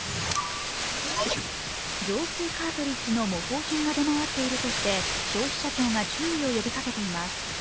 浄水カートリッジの模倣品が出回っているとして消費者庁が注意を呼びかけています。